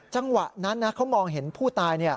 จังหวะนั้นเขามองเห็นผู้ตาย